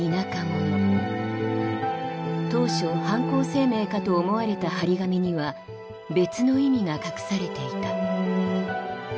当初犯行声明かと思われた貼り紙には別の意味が隠されていた。